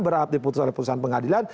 berharap diputus oleh perusahaan pengadilan